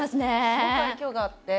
すごく愛嬌があって。